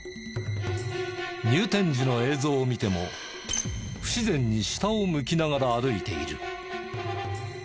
入店時の映像を見ても不自然に下を向きながら歩いている。